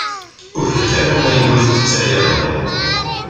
Ur reffed ara ayen ur tettayaleḍ.